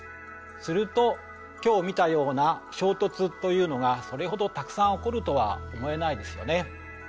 すると今日見たような衝突というのがそれほどたくさん起こるとは思えないですよね。